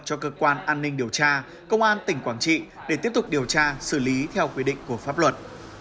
cho cơ quan an ninh điều tra công an tỉnh quảng trị để tiếp tục điều tra xử lý theo quy định của pháp luật